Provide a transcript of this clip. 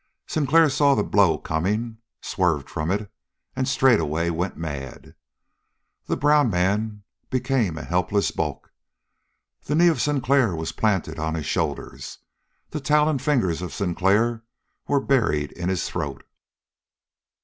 Sinclair saw the blow coming, swerved from it, and straightway went mad. The brown man became a helpless bulk; the knee of Sinclair was planted on his shoulders, the talon fingers of Sinclair were buried in his throat.